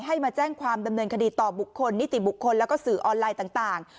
ให้มาแจ้งความดำเนินคดีต่อบุคคลนิติบุคคลแล้วก็สื่อออนไลน์ต่าง